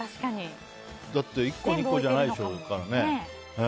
だって１個２個じゃないでしょうからね。